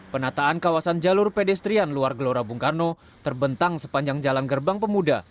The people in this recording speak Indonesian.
penataan kawasan jalur pedestrian luar gelora bung karno terbentang sepanjang jalan gerbang pemuda